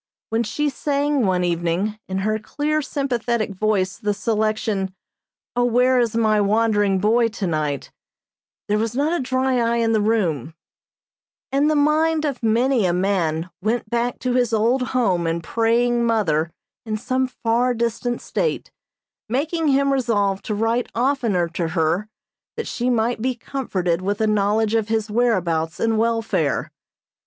When she sang, one evening, in her clear sympathetic voice the selection, "Oh, Where Is My Wandering Boy Tonight," there was not a dry eye in the room, and the mind of many a man went back to his old home and praying mother in some far distant state, making him resolve to write oftener to her that she might be comforted with a knowledge of his whereabouts and welfare.